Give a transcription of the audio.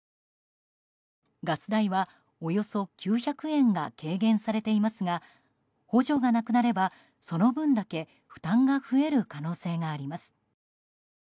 ガス代は、およそ９００円が軽減されていますが補助がなくなれば、その分だけ負担が増える可能性があります。